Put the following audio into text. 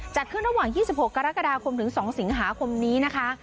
จัดขึ้นระหว่าง๒๖กรกฎาคมถึง๒สิงหาคมนี้นะคะ